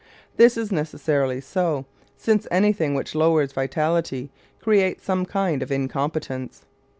This is necessarily so, since anything which lowers vitality creates some kind of incompetence.